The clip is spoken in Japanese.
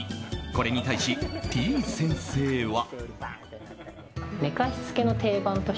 これに対し、てぃ先生は。